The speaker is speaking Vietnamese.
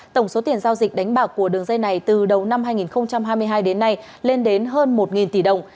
tổng số tiền giao dịch đánh bạc của đường dây này từ đầu năm hai nghìn hai mươi hai đến nay lên đến hơn một tỷ đồng